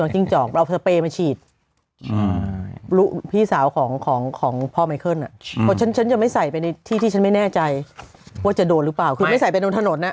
ก็ใช่คนมิ้งมันคือคนสัตว์